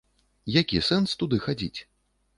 Які сэнс туды хадзіць?